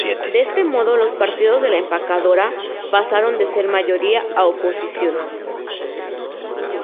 De este modo los partidos de "la empacadora" pasaron de ser mayoría a oposición.